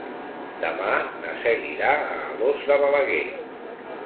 Demà na Cel irà a Alòs de Balaguer.